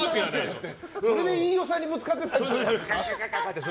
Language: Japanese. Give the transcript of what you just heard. それで飯尾さんにぶつかってたんじゃないですか。